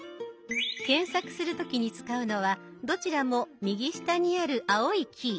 検索する時に使うのはどちらも右下にある青いキー。